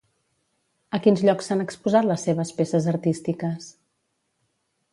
A quins llocs s'han exposat les seves peces artístiques?